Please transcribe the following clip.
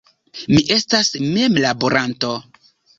Mi estas memlaboranto.